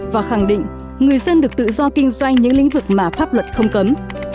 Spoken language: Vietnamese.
và khẳng định người dân được tự do kinh doanh những lĩnh vực mà pháp luật không cấm